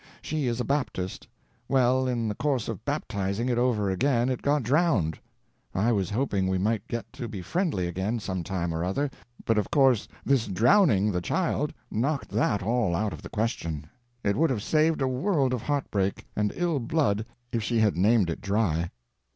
She is a Baptist. Well, in the course of baptizing it over again it got drowned. I was hoping we might get to be friendly again some time or other, but of course this drowning the child knocked that all out of the question. It would have saved a world of heartbreak and ill blood if she had named it dry."